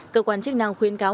cơ quan chức năng khuyến cáo